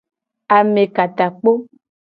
Amekatakpo.